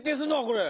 これ。